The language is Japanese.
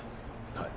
はい。